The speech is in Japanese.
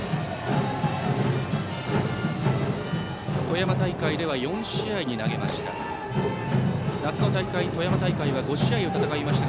富山大会では４試合に投げました。